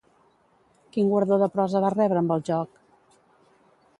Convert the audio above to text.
Quin guardó de prosa va rebre amb El joc?